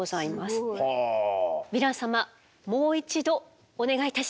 もう一度お願いいたします。